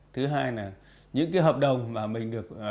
thứ hai là những hợp đồng mà mình được